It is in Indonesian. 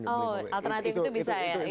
beli mobil lain oh alternatif itu bisa ya